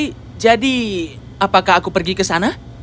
tapi jadi apakah aku pergi ke sana